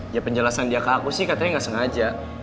ya penjelasan dia ke aku sih katanya nggak sengaja